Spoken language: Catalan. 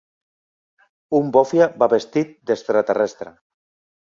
Un bòfia va vestit d’extraterrestre.